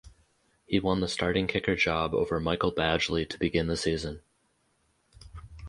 He won the starting kicker job over Michael Badgley to begin the season.